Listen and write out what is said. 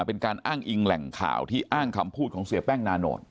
เป็นการอ้างอิงแหล่งข่าวที่อ้างคำพูดของเสียแป้งนาโนต